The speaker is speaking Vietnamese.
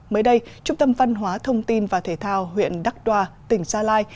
mới đây trung tâm văn hóa thông tin và thể thao huyện đắc đoa tỉnh gia lai